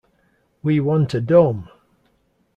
We want a dome!